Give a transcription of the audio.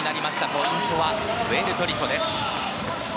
ポイントはプエルトリコです。